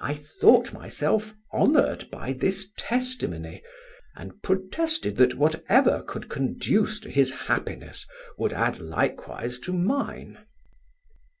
"I thought myself honoured by this testimony, and protested that whatever could conduce to his happiness would add likewise to mine.